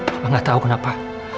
mama gak tahu kenapa